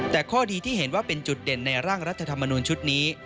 แต่ข้อดีที่เห็นว่าเป็นจุดเด่นในร่างรัฐธรรมนูญชุดนี้